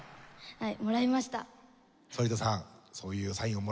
はい。